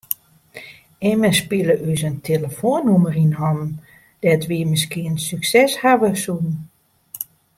Immen spile ús in telefoannûmer yn hannen dêr't wy miskien sukses hawwe soene.